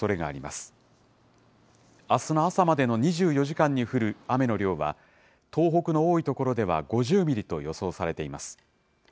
あすの朝までの２４時間に降る雨の量は、東北の多い所では５０ミリと予想されています。